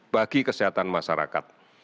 bagi kesehatan masyarakat